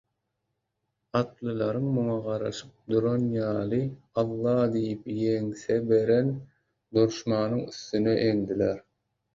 Atlylar muňa garaşyp duran ýaly «Alla!» diýip ýeňse beren duşmanyň üstüne eňdiler.